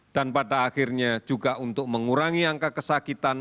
pada akhirnya juga untuk mengurangi angka kesakitan